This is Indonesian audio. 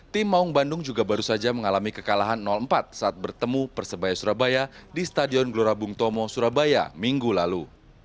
tim maung bandung juga baru saja mengalami kekalahan empat saat bertemu persebaya surabaya di stadion gelora bung tomo surabaya minggu lalu